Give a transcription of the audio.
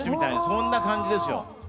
そんな感じですよ。